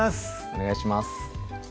お願いします